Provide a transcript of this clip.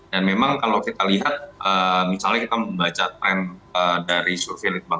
dan memang kalau kita lihat misalnya kita membaca trend dari surveil di kompas ya